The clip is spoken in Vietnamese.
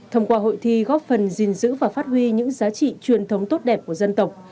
thông qua hội thi góp phần gìn giữ và phát huy những giá trị truyền thống tốt đẹp của dân tộc